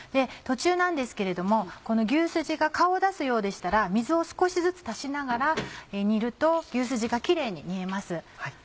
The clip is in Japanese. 途中なんですけれども牛すじが顔を出すようでしたら水を少しずつ足しながら煮ると牛すじがキレイに煮えます。